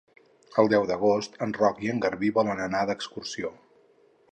El deu d'agost en Roc i en Garbí volen anar d'excursió.